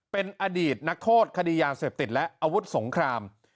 เป็นอดีตนักโทษคดียาเสพติดและอาวุธสงคราม